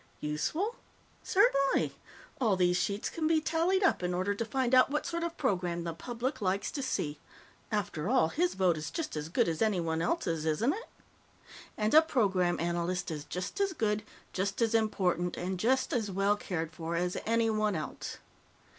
Useful? Certainly. All these sheets can be tallied up in order to find out what sort of program the public likes to see. After all, his vote is just as good as anyone else's, isn't it? And a Program Analyst is just as good, just as important, and just as well cared for as anyone else.